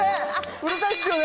うるさいですよね。